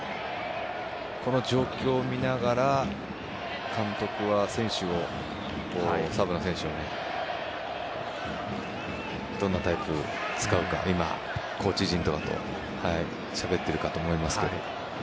この状況を見ながら監督はサブの選手をどんなタイプ使うかコーチ陣とかとしゃべっているかと思いますけど。